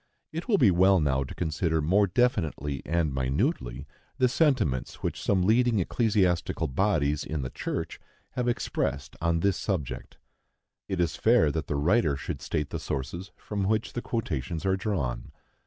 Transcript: It will be well now to consider more definitely and minutely the sentiments which some leading ecclesiastical bodies in the church have expressed on this subject. It is fair that the writer should state the sources from which the quotations are drawn.